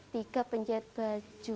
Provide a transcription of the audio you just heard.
tiga penjahit baju